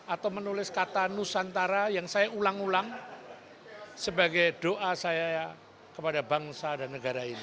atau menulis kata nusantara yang saya ulang ulang sebagai doa saya kepada bangsa dan negara ini